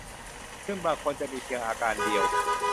ซึ่งบางคนอาจจะมีเพียงอาการเดียว